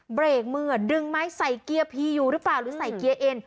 เบรกมือดึงไม้ใส่เกียร์พีอยู่หรือเปล่าหรือใส่เกียร์เอ็น